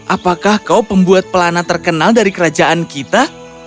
apakah kau pembuat pelana terkenal dari kerajaan kita